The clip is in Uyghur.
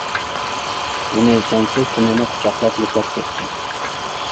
ئۇنى جانسىز تىنىنى قۇچاقلاپ يىغلاپ كەتتىم.